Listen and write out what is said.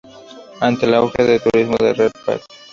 Ante el auge del turismo en la Rep.